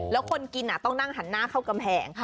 แล้วคนกินต้องนั่งหันหน้าเข้ากำแพง